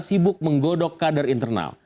sibuk menggodok kader internal